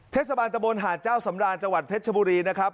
เทศบาลตะบนหาดเจ้าสำราญจังหวัดเพชรชบุรีนะครับ